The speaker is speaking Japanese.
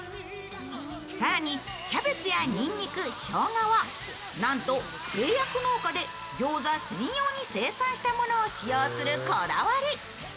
更にキャベツやにんにく、しょうがはなんと契約農家で餃子専用に生産したものを使用するこだわり。